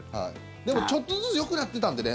でも、ちょっとずつよくなってたんでね。